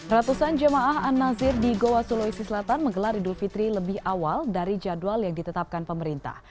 ratusan jemaah an nazir di goa sulawesi selatan menggelar idul fitri lebih awal dari jadwal yang ditetapkan pemerintah